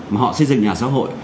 mà họ xây dựng nhà xã hội